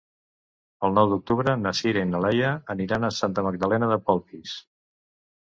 El nou d'octubre na Sira i na Laia aniran a Santa Magdalena de Polpís.